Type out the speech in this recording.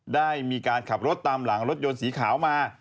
ได้มีการขับรถตามหลังรถยนต์สีขาวมา